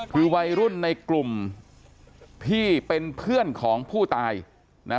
คือวัยรุ่นในกลุ่มที่เป็นเพื่อนของผู้ตายนะ